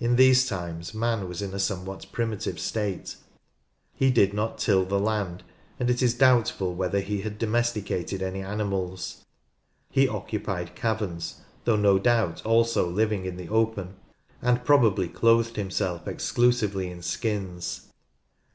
In these times man was in a somewhat primitive state. PEOPLE— RACE, LANGUAGE, ETC. 85 He did not till the land, and it is doubtful whether he had domesticated any animals. He occupied caverns, though no doubt also living in the open, and probably clothed himself exclusively in skins.